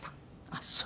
ああそう。